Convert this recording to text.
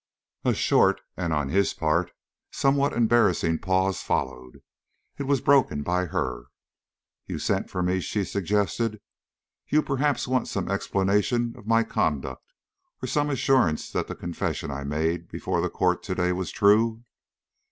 A short and, on his part, somewhat embarrassing pause followed. It was broken by her. "You sent for me," she suggested. "You perhaps want some explanation of my conduct, or some assurance that the confession I made before the court to day was true?"